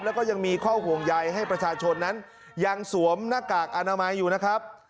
แล้วก็ยังมีข้อห่วงใยให้ประชาชนนั้นยังสวมหน้ากากอนามัยอยู่นะครับ